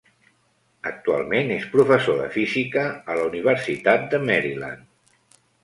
Actualment és professor de física a la Universitat de Maryland.